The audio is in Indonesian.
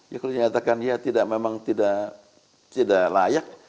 ya kalau dinyatakan ya memang tidak layak